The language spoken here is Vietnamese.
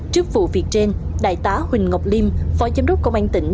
trước vụ việc trên đại tá huỳnh ngọc liêm phó giám đốc công an tỉnh